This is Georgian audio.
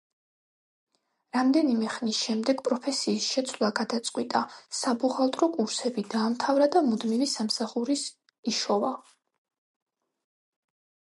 რამდენიმე ხნის შემდეგ პროფესიის შეცვლა გადაწყვიტა, საბუღალტრო კურსები დაამთავრა და მუდმივი სამსახურის იშოვა.